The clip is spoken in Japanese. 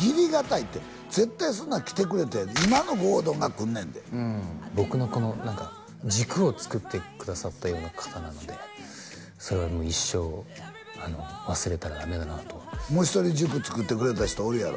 義理堅いって絶対そんなん来てくれんって今の郷敦が来んねんでうん僕のこの何か軸をつくってくださったような方なのでそれは一生忘れたらダメだなともう一人軸つくってくれた人おるやろ？